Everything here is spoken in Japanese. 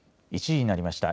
１時になりました。